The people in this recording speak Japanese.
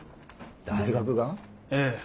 大学が？ええ。